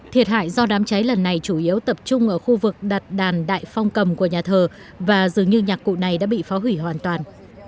thiệt hại do đám cháy lần này chủ yếu tập trung ở khu vực đặt đàn đại phong cầm của nhà thờ và dường như nhạc cụ này đã bị phá hủy hoàn toàn